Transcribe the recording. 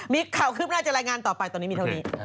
มีข่าวคืบหน้าจะรายงานต่อไปตอนนี้มีเท่านี้